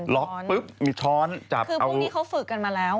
ล็อกปุ๊บมีช้อนจับคือพวกนี้เขาฝึกกันมาแล้ว